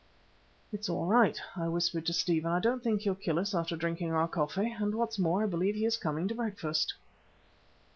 "It's all right," I whispered to Stephen. "I don't think he'll kill us after drinking our coffee, and what's more, I believe he is coming to breakfast."